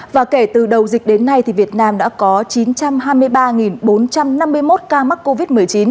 và kể từ đầu dịch đến nay thì việt nam đã có chín trăm hai mươi ba bốn trăm năm mươi một ca mắc covid một mươi chín